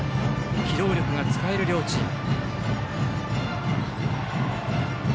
機動力が使える両チーム。